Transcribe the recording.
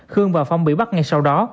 khương và phong bị bắt ngay sau đó